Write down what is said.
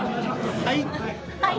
はい。